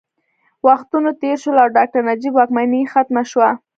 وختونه تېر شول او ډاکټر نجیب واکمني ختمه شوه